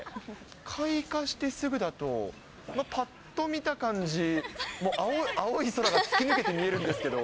開花してすぐだと、ぱっと見た感じ、青い空が突き抜けて見えるんですけれども。